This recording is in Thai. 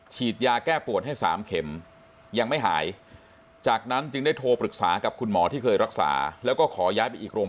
ฉีดยาแก้ปวดให้๓เข็ม